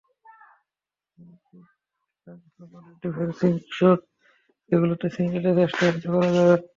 প্রথমে good length বলে defensive shot, যেগুলোতে সিঙ্গেলের চেষ্টা হয়তো করা যাবে।